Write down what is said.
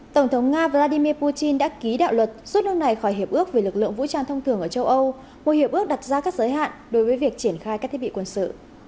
tổng thống nga vladimir putin đã ký đạo luật rút nước này khỏi hiệp ước về lực lượng vũ trang thông thường ở châu âu một hiệp ước đặt ra các giới hạn đối với việc triển khai các thiết bị quân sự